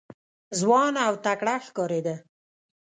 ځوان او تکړه ښکارېده.